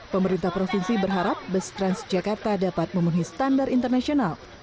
pemerintah provinsi berharap bus transjakarta dapat memenuhi standar internasional